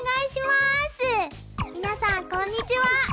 皆さんこんにちは。